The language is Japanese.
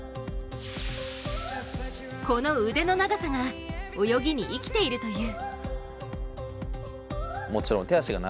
この腕の長さが泳ぎに生きているという。